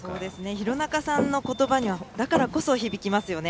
廣中さんのことばにはだからこそ響きますよね。